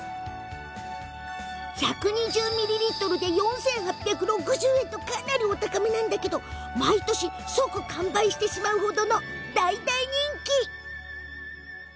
１２０ミリリットルで４８６０円ってかなりお高めなんだけど毎年、即完売してしまうほどの大大人気。